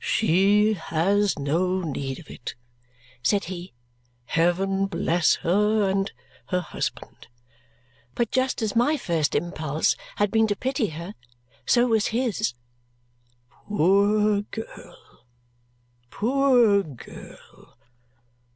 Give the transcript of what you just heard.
"She has no need of it," said he. "Heaven bless her and her husband!" But just as my first impulse had been to pity her, so was his. "Poor girl, poor girl!